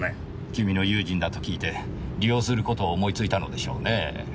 君の友人だと聞いて利用することを思いついたのでしょうねぇ。